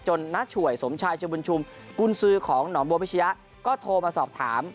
น้าฉวยสมชายชมบุญชุมกุญสือของหนองบัวพิชยะก็โทรมาสอบถาม